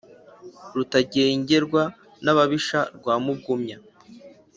rutagengerwa n'ababisha rwa mugumya